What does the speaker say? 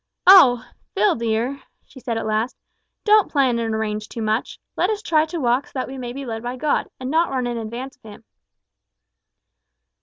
"Oh! Phil, dear," she said at last, "don't plan and arrange too much. Let us try to walk so that we may be led by God, and not run in advance of him."